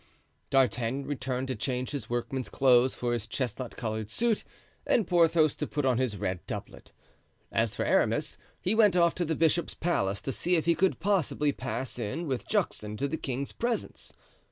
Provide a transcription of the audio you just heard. D'Artagnan returned to change his workman's clothes for his chestnut colored suit, and Porthos to put on his red doublet. As for Aramis, he went off to the bishop's palace to see if he could possibly pass in with Juxon to the king's presence.